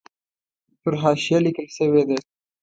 پر حاشیه لیکل شوې ده.